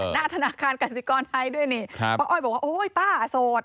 หน้าธนาคารกสิกรไทยด้วยนี่ป้าอ้อยบอกว่าโอ้ยป้าโสด